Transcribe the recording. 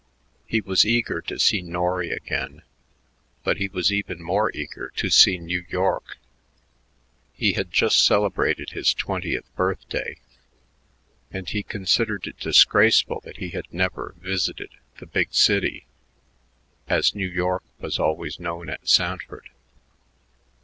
He was eager to see Norry again, but he was even more eager to see New York. He had just celebrated his twentieth birthday, and he considered it disgraceful that he had never visited the "Big City," as New York was always known at Sanford.